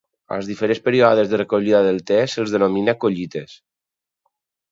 Als diferents períodes de recollida del te, se'ls denomina "collites".